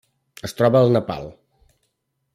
Es troba al Nepal.